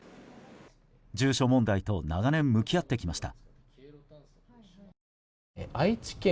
住所問題と長年、向き合ってきました。